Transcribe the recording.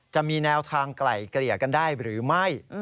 จะมีแนวทางไกล่เกลี่ยกันได้หรือไม่